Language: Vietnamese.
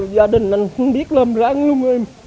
gia đình anh không biết làm ráng luôn em